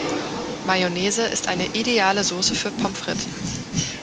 Mayonnaise ist eine ideale Soße für Pommes Frites.